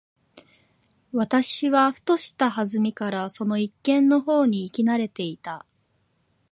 私はふとした機会（はずみ）からその一軒の方に行き慣（な）れていた。